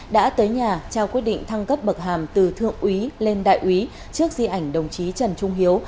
đã tới nhà trao quyết định thăng cấp bậc hàm từ thượng úy lên đại úy trước di ảnh đồng chí trần trung hiếu